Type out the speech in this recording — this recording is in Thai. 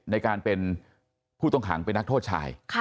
ในการเป็นผู้ต้องขังเป็นนักโทษชาย